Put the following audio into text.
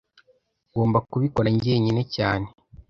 Ngomba kubikora njyenyine cyane